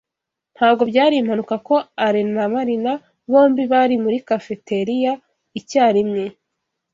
Ntabwo byari impanuka ko Alain na Marina bombi bari muri cafeteria icyarimwe.